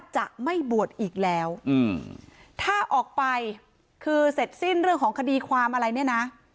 จะไม่บวชอีกแล้วถ้าออกไปคือเสร็จสิ้นเรื่องของคดีความอะไรเนี่ยนะ